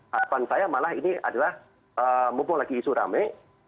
harapan saya malah ini adalah mumpung lagi isu rame